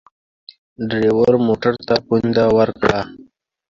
ډریور موټر ته پونده ورکړه.